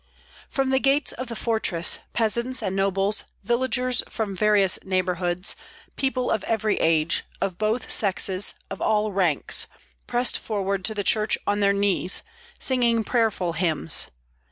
From the gates of the fortress peasants and nobles, villagers from various neighborhoods, people of every age, of both sexes, of all ranks, pressed forward to the church on their knees, singing prayerful hymns.